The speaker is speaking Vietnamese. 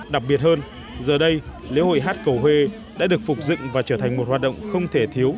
đặc biệt hơn giờ đây lễ hội hát cầu huê đã được phục dựng và trở thành một hoạt động không thể thiếu